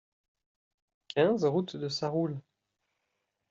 quinze route de Sarroul